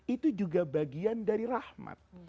itu juga bagian dari rahmat